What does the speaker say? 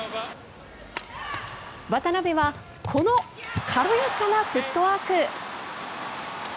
渡辺はこの軽やかなフットワーク。